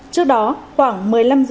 trước đó khoảng một mươi năm h ba mươi